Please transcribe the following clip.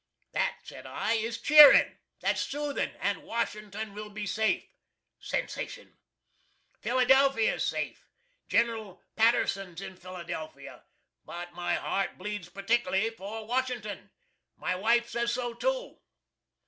] That, said I, is cheering. That's soothing. And Washington will be safe. [Sensation.] Philadelphia is safe. Gen. PATTERSON'S in Philadelphia. But my heart bleeds partic'ly for Washington. My wife says so too.